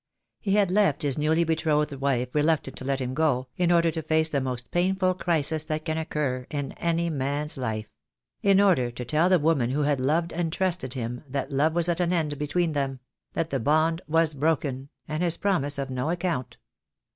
He had left his newly betrothed wife reluctant to let him go, in order to face the most painful crisis that can occur in any man's life; in order to tell the woman who had loved and trusted him that love was at an end between them; that the bond was broken, and his promise of no account.